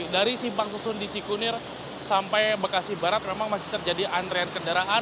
dari simpang susun di cikunir sampai bekasi barat memang masih terjadi antrean kendaraan